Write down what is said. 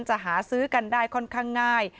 จะหาซื้อกันได้ค่อนข้างง่าย